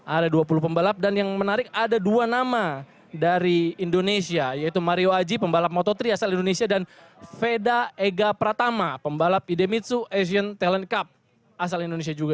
ada dua puluh pembalap dan yang menarik ada dua nama dari indonesia yaitu mario aji pembalap moto tiga asal indonesia dan veda ega pratama pembalap idemitsu asian talent cup asal indonesia juga